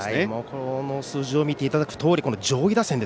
この数字を見ていただくとおり上位打線。